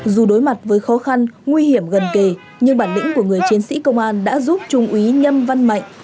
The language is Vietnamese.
dù đối mặt với khó khăn nguy hiểm gần kề nhưng bản lĩnh của người chiến sĩ công an đã giúp trung úy nhâm văn mạnh